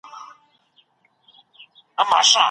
ميرويس خان نيکه څنګه د خپلو مخالفينو سره چلند کاوه؟